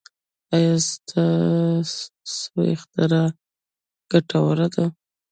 ایا ستاسو اختراع ګټوره ده؟